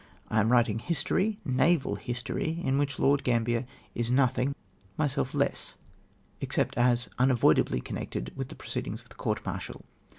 I am writing history — naval history — in which Lord Gambier is nothing — myself less, except as unavoidably connected witli the proceedings of the court martial.